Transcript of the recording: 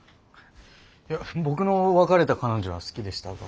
いや僕の別れた彼女は好きでしたが。